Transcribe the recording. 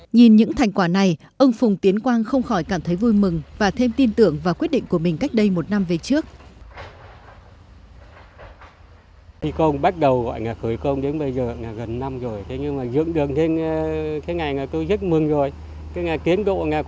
nhìn những thành quả này ông phùng tiến quang không khỏi cảm thấy vui mừng và thêm tin tưởng vào quyết định của mình cách đây một năm về trước